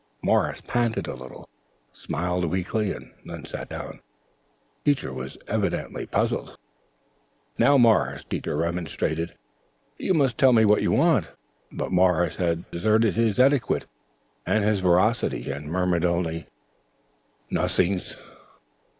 Morris panted a little, smiled weakly, and then sat down. Teacher was evidently puzzled, the "comp'ny" alert, the Principal uneasy. "Now, Morris," Teacher remonstrated, "you must tell me what you want." But Morris had deserted his etiquette and his veracity, and murmured only: "Nothings."